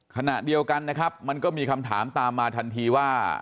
ขณะเดียวกันนะครับมันก็มีคำถามตามมาทันทีว่า